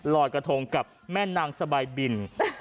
ลอยกระทงกับแม่นางสบายบิน